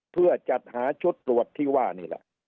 เพื่อจัดหาชุดตรวจที่ว่านี่แหละ